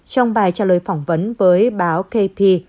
trong bài trả lời phỏng vấn với báo kp